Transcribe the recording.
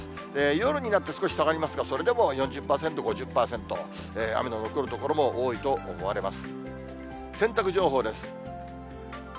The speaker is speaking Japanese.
夜になって少し下がりますが、それでも４０％、５０％、雨の残る所も多いと思われます。